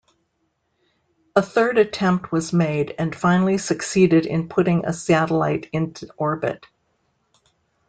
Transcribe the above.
A third attempt was made and finally succeeded in putting a satellite into orbit.